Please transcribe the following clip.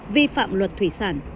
vi phạm luật thủy sản